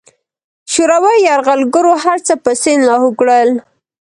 شوروي یرغلګرو هرڅه په سیند لاهو کړل.